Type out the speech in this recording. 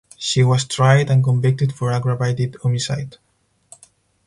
She was tried and convicted for aggravated homicide.